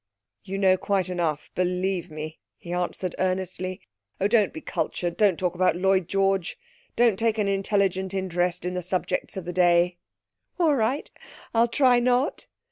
'You know quite enough, believe me,' he answered earnestly. 'Oh, don't be cultured don't talk about Lloyd George! Don't take an intelligent interest in the subjects of the day!' 'All right; I'll try not.'